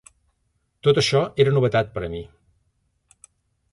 Tot això era novetat per a mi.